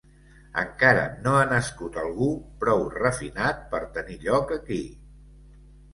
Encara no ha nascut algú prou refinat per tenir lloc aquí.